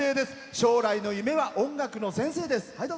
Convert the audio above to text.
将来の夢は音楽の先生です。